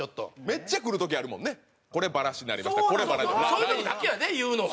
そういう時だけやで言うのは。